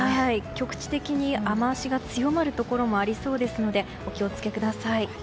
局地的に雨脚が強まるとこもありそうですのでお気を付けください。